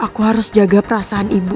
aku harus jaga perasaan ibu